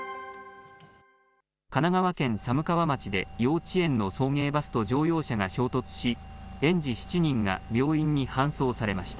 神奈川県寒川町で幼稚園の送迎バスと乗用車が衝突し、園児７人が病院に搬送されました。